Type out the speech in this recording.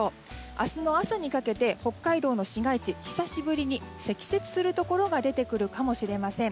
明日の朝にかけて北海道の市街地で久しぶりに積雪するところが出てくるかもしれません。